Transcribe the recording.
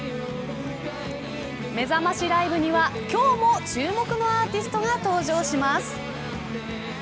めざましライブには今日も注目のアーティストが登場します。